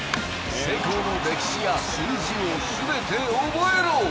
成功の歴史や数字を全てオボエロ！